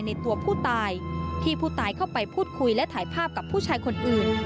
ในตัวผู้ตายที่ผู้ตายเข้าไปพูดคุยและถ่ายภาพกับผู้ชายคนอื่น